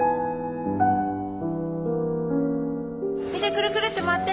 ・くるくるって回って。